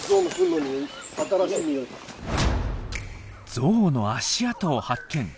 ゾウの足跡を発見！